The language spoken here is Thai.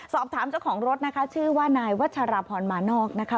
สอบถามเจ้าของรถนะคะชื่อว่านายวัชราพรมานอกนะคะ